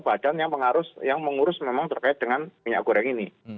badan yang mengurus memang terkait dengan minyak goreng ini